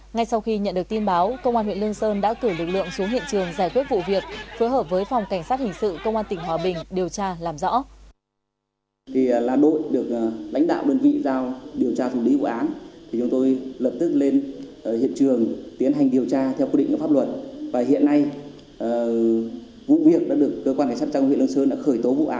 ngay sau khi nhận được tin báo công an huyện lương sơn đã cử lực lượng xuống hiện trường giải quyết vụ việc phối hợp với phòng cảnh sát hình sự công an tỉnh hòa bình điều tra làm rõ